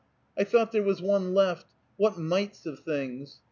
I thought there was one left! What mites of things."